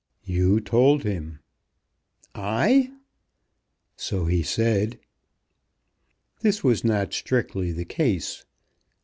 "You told him!" "I!" "So he said." This was not strictly the case.